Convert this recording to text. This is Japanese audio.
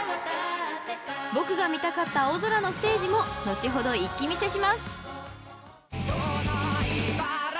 ［僕が見たかった青空のステージも後ほど一気見せします］